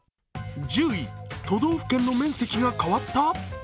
１０位、都道府県の面積が変わった？